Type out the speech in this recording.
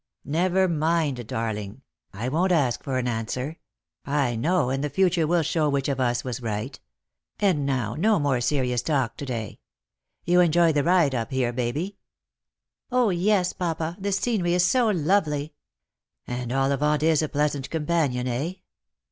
" Never mind, darling; I won't ask for an answer. J know, and the future will show which of us was right. And now, no more serious talk to day. Tou enjoyed the ride up here, Baby? "" 0, yes, papa ; the scenery is so lovely." " And Ollivant is a pleasant companion, eh